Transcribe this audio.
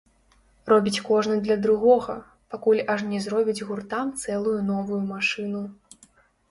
Робіць кожны для другога, пакуль аж не зробяць гуртам цэлую новую машыну.